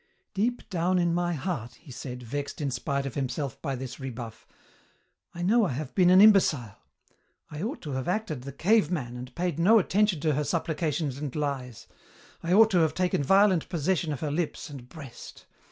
"Deep down in my heart," he said, vexed in spite of himself by this rebuff, "I know I have been an imbecile. I ought to have acted the cave man and paid no attention to her supplications and lies. I ought to have taken violent possession of her lips and breast.